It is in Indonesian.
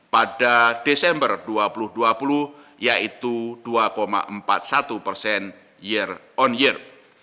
pada desember dua ribu dua puluh yaitu dua empat puluh satu persen year on year